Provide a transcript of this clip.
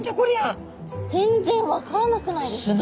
全然分からなくないですか？